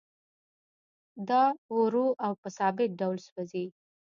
دا ورو او په ثابت ډول سوځي